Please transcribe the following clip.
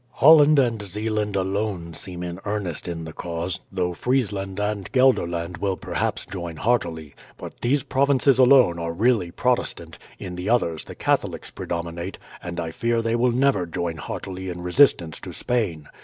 "Holland and Zeeland alone seem in earnest in the cause, though Friesland and Guelderland will perhaps join heartily; but these provinces alone are really Protestant, in the other the Catholics predominate, and I fear they will never join heartily in resistance to Spain.